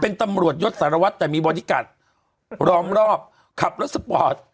เป็นตำรวจยศสารวัตรแต่มีบอดี้การ์ดรอมรอบขับรถสปอร์ต